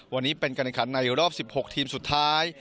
วันนี้เป็นการการในรอบ๑๖ทีมสุดท้าย